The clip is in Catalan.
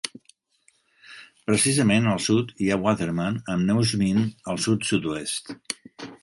Precisament al sud hi ha Waterman, amb Neujmin al sud-sud-oest.